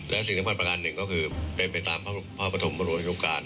และสิ่งที่ควรประกันหนึ่งก็คือเป็นไปตามภาพภาษณ์บริษัทธิการ